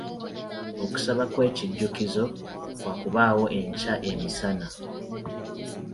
Okusaba kw'ekijjukizo kwa kubaawo enkya emisana.